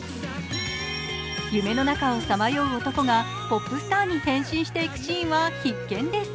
夢の中をさまよう男がポップスターに変身していくシーンは必見です。